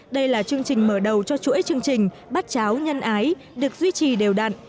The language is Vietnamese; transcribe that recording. đây là chương trình mở đầu cho chuỗi chương trình bát cháo nhân ái được duy trì đều đặn